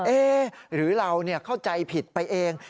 เอ๊ะหรือเราเนี่ยเข้าใจผิดไปเอง